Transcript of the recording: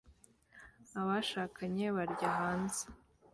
Abashakanye barya hanze